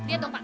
dia ada pak